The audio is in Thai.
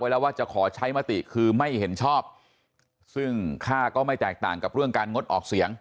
แล้วว่าจะขอใช้มติคือไม่เห็นชอบซึ่งค่าก็ไม่แตกต่างกับเรื่องการงดออกเสียง